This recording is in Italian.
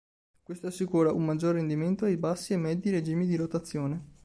Questo assicura un maggior rendimento ai bassi e medi regimi di rotazione.